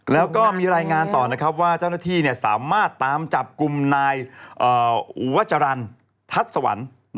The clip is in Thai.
แล้วก็มีรายงานต่อนะครับว่าเจ้าหน้าที่สามารถตามจับกลุ่มนายอุวจรรย์ทัศน์สวรรค์